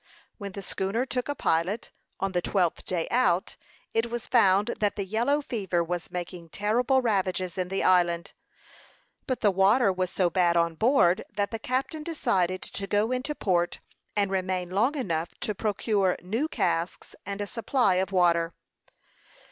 When the schooner took a pilot, on the twelfth day out, it was found that the yellow fever was making terrible ravages in the island; but the water was so bad on board that the captain decided to go into port and remain long enough to procure new casks and a supply of water.